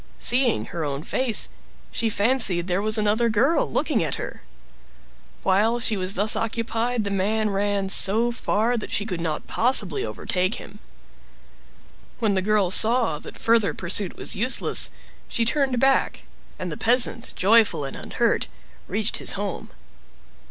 Seeing her own face, she fancied there was another girl looking at her. While she was thus occupied the man ran so far that she could not possibly overtake him. When the girl saw that further pursuit was useless, she turned back, and the peasant, joyful and unhurt, reached his home.